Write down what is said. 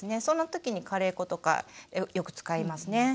そんな時にカレー粉とかよく使いますね。